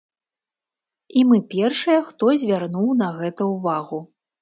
І мы першыя, хто звярнуў на гэта ўвагу.